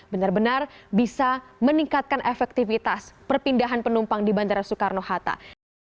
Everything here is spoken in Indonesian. benar benar bisa meningkatkan efektivitas perpindahan penumpang di bandara soekarno hatta